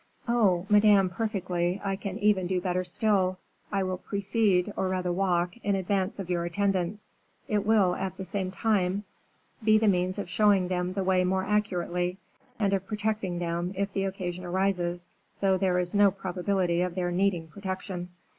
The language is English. "Oh, Madame, perfectly; I can even do better still, I will precede, or rather walk, in advance of your attendants; it will, at the same time, be the means of showing them the way more accurately, and of protecting them, if occasion arises, though there is no probability of their needing protection."